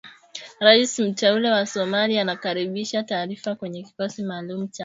Raisi mteule wa Somalia anakaribisha taarifa kwamba kikosi maalum cha